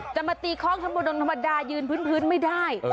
จะมาตีของชั้นบนดงธรรมดายืนพื้นไม่ได้